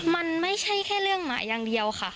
มันไม่ใช่แค่เรื่องหมาอย่างเดียวค่ะ